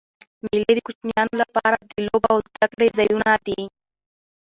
مېلې د کوچنيانو له پاره د لوبو او زدهکړي ځایونه دي.